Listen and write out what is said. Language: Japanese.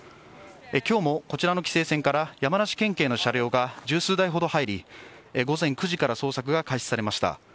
今日もこちらの規制線から山梨県警の車両が十数台ほど入り、午前９時から捜索が開始されました。